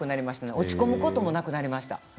落ち込むこともなくなりました。